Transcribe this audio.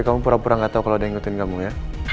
kamu pura pura gak tau kalo udah ngikutin kamu ya